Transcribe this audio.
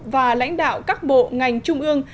và lãnh đạo các bộ ngành trung ương